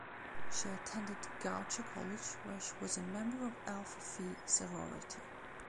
She attended Goucher College where she was a member of Alpha Phi sorority.